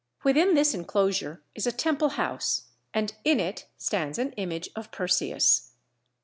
Within this enclosure is a temple house and in it stands an image of Perseus.